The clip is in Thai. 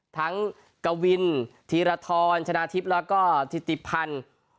กวินธีรทรชนะทิพย์แล้วก็ธิติพันธ์